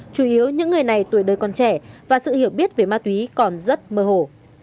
chủ yếu những người này tuổi đời còn trẻ và sự hiểu biết về ma túy còn rất mơ hồ